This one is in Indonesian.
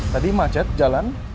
tadi macet jalan